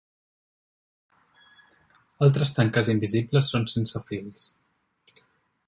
Altres tanques invisibles són sense fils.